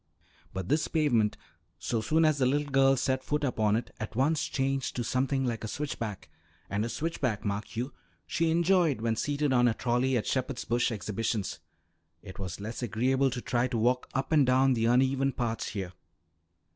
But this pavement, so soon as the little girl set foot upon it, at once changed to something like a switchback, and a switchback, mark you, she enjoyed when seated on a trolley at Shepherd's Bush Exhibitions; it was less agreeable to try to walk up and down the uneven parts here.